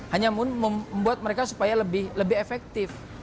hanya membuat mereka supaya lebih efektif